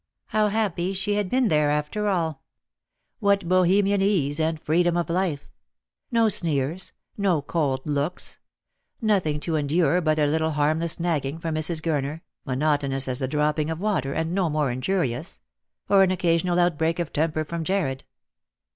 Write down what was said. How happy she had been there, after all ! What Bohemian ease and freedom of life ! No sneers, no cold looks ; nothing to endure but a little harmless nagging from Mrs. Gurner, monotonous as the dropping of water, and no more injurious ; or an occasional outbreak of tem per from Jarred.